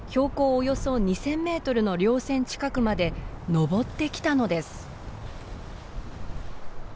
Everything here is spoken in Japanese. およそ２，０００メートルの稜線近くまでのぼってきたのです。